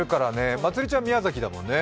まつりちゃん宮崎だもんね。